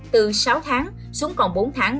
từ sáu tháng xuống còn bốn tháng